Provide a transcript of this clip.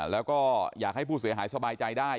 แล้วก็อยากให้ผู้เสียหายสบายใจได้